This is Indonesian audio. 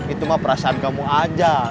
itu mah perasaan kamu aja